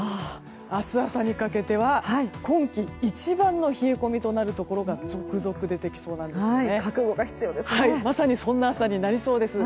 明日朝にかけては、今季一番の冷え込みとなるところが続々出てきそうなんですよね。